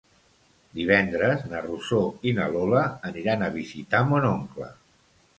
Divendres na Rosó i na Lola aniran a visitar mon oncle.